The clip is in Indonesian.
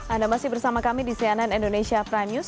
anda masih bersama kami di cnn indonesia prime news